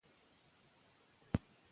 مغولي هند غوښتل چې کندهار بېرته ترلاسه کړي.